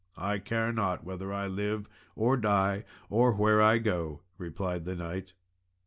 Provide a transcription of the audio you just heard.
"I care not whether I live or die, or where I go," replied the knight.